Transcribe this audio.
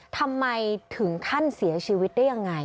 ทำไมถึงขั้นเสียชีวิตได้ยังไง